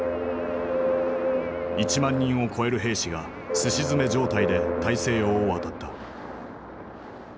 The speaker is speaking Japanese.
１万人を超える兵士がすし詰め状態で大西洋を渡った。